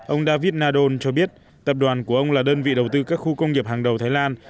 ông david nadon cho biết tập đoàn của ông là đơn vị đầu tư các khu công nghiệp hàng đầu thái lan